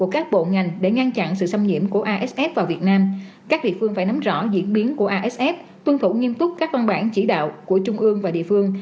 các địa phương phải nắm rõ diễn biến của asf tuân thủ nghiêm túc các quan bản chỉ đạo của trung ương và địa phương